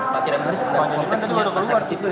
pak haris dalam konteksnya masyarakat sibil